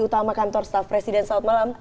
utama kantor staf presiden selamat malam